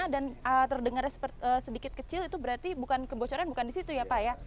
dan terdengarnya sedikit kecil itu berarti kebocoran bukan disitu ya pak ya